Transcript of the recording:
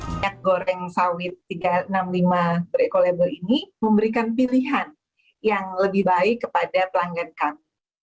minyak goreng sawit tiga ratus enam puluh lima bereco label ini memberikan pilihan yang lebih baik kepada pelanggan kami